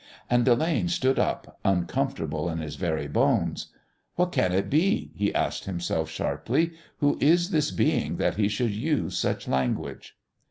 And Delane stood up, uncomfortable in his very bones. "What can it be?" he asked himself sharply. "Who is this being that he should use such language?"